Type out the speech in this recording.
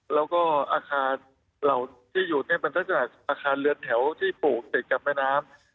แล้วก็อาคารเหล่าที่อยู่เนี่ยมันตั้งแต่อาคารเรือนแถวที่ปลูกติดกับแม่น้ำ